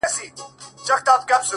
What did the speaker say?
o چي وايي ـ